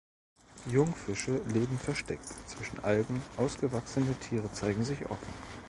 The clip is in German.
Jungfische leben versteckt zwischen Algen, ausgewachsene Tiere zeigen sich offen.